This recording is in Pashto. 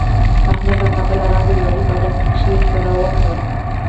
احمد له کابله راغی او علي بغل کښي ورسره وکړه.